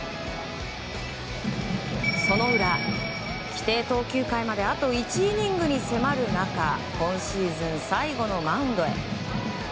その裏、規定投球回まであと１イニングに迫る中今シーズン、最後のマウンドへ。